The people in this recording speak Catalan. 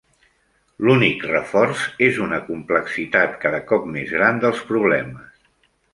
L'únic reforç és una complexitat cada cop més gran dels problemes.